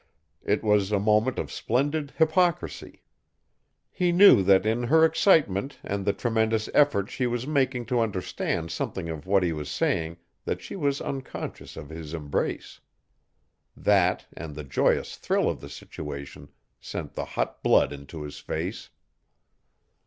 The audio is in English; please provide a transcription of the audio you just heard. It was a moment of splendid hypocrisy. He knew that in her excitement and the tremendous effort she was making to understand something of what he was saying that she was unconscious of his embrace. That, and the joyous thrill of the situation, sent the hot blood into his face.